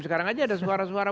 sekarang aja ada suara suara